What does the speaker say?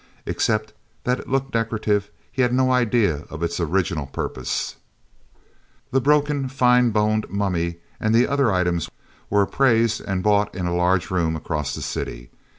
Except that it looked decorative, he had no idea of its original purpose. The broken, fine boned mummy and the other items were appraised and bought in a large room across the city.